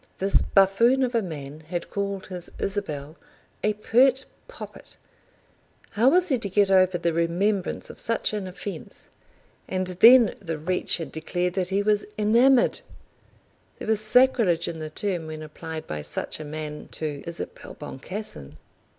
This buffoon of a man had called his Isabel a pert poppet! How was he to get over the remembrance of such an offence? And then the wretch had declared that he was enamoured! There was sacrilege in the term when applied by such a man to Isabel Boncassen.